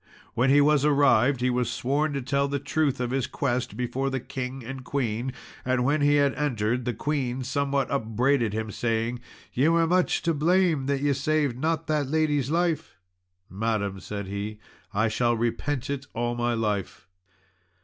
When he was arrived, he was sworn to tell the truth of his quest before the King and Queen, and when he had entered the Queen somewhat upbraided him, saying, "Ye were much to blame that ye saved not that lady's life." "Madam," said he, "I shall repent it all my life."